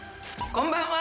こんばんは！